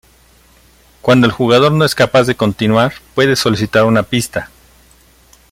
Cuando el jugador no es capaz de continuar, puede solicitar una pista.